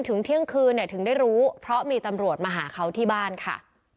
เที่ยงคืนเนี่ยถึงได้รู้เพราะมีตำรวจมาหาเขาที่บ้านค่ะ